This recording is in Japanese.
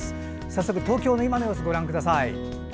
早速、東京の今の様子ご覧ください。